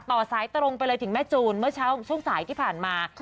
ต่อสายตรงไปเลยถึงแม่จูนเมื่อเช้าช่วงสายที่ผ่านมา